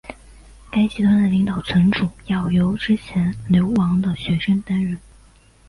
该集团的领导层主要由之前流亡的学生担任。